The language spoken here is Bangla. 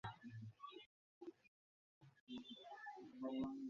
তিনি যে গুরুত্বপূর্ণ ভূমিকা পালন করেছিলেন তা প্রকাশ করে।